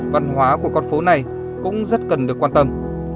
văn hóa của con phố này cũng rất cần được quan tâm